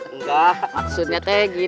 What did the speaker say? enggak maksudnya teh gini